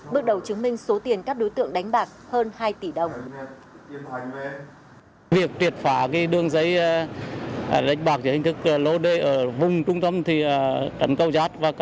bước đầu chứng minh số tiền các đối tượng đánh bạc hơn hai tỷ đồng